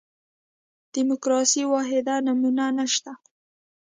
دیموکراسي واحده نمونه نه شته.